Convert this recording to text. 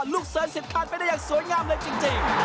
เสริญสิทธาไปได้อย่างสวยงามเลยจริง